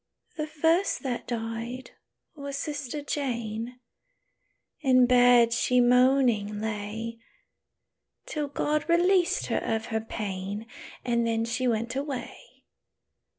"The first that died was sister Jane; In bed she moaning lay, Till God released her of her pain; And then she went away.